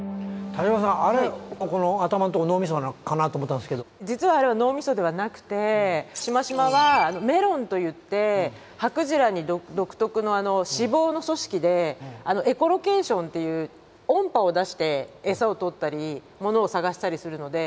田島さんあれそこの実はあれは脳みそではなくてしましまはメロンといってハクジラに独特の脂肪の組織でエコロケーションっていう音波を出して餌を捕ったりものを探したりするので。